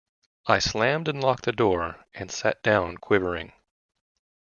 I slammed and locked the door and sat down quivering.